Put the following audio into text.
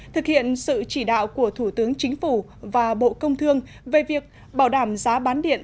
thực hiện sự chỉ đạo của thủ tướng chính phủ và bộ công thương về việc bảo đảm giá bán điện